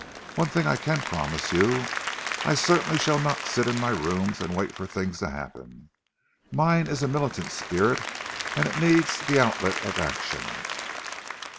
One thing I can promise you I certainly shall not sit in my rooms and wait for things to happen. Mine is a militant spirit and it needs the outlet of action."